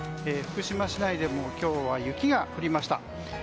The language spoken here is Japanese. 福島市内でも今日は雪が降りました。